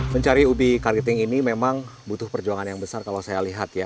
mencari ubi carriting ini memang butuh perjuangan yang besar kalau saya lihat ya